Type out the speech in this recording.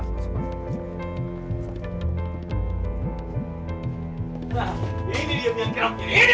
nah ini dia yang kerap gini